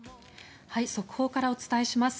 速報からお伝えします。